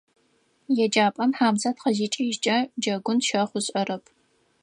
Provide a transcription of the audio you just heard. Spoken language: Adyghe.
ЕджапӀэм Хьамзэт къызикӀыжькӀэ, джэгун щэхъу ышӀэрэп.